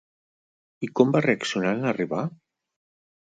I com va reaccionar en arribar?